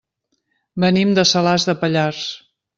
Venim de Salàs de Pallars.